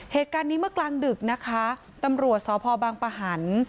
เหตุการณ์นี้เมื่อกลางดึกนะคะตำรวจสพบางปะหัน